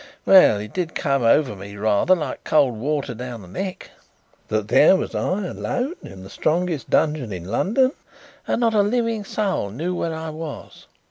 Well, it did come over me rather like cold water down the neck, that there was I alone in the strongest dungeon in London and not a living soul knew where I was."